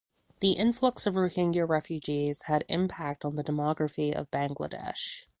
The influx of Rohingya refugees had impact on the demography of Bangladesh.